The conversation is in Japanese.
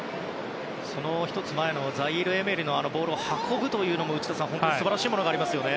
その１つ前のザイール・エメリのボールを運ぶというのも内田さん、素晴らしいものがありますね。